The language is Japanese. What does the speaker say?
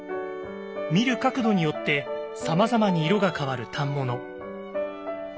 見る角度によってさまざまに色が変わる反物。